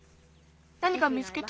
なにか見つけた。